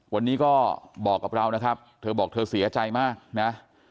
วันนี้ก็บอกกับเรานะครับเธอบอกเธอเสียใจมากนะ